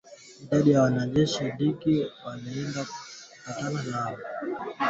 Idadi ya wanajeshi wa Demokrasia ya Kongo waliouawa katika shambulizi dhidi ya kambi zao haijajulikana